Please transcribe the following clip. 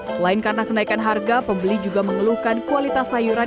selain karena kenaikan harga pembeli juga mengeluhkan kualitas sayuran